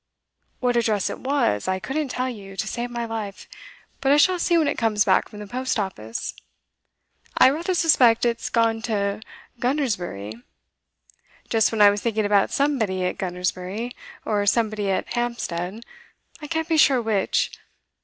What address it was, I couldn't tell you, to save my life, but I shall see when it comes back from the post office. I rather suspect it's gone to Gunnersbury; just then I was thinking about somebody at Gunnersbury or somebody at Hampstead, I can't be sure which.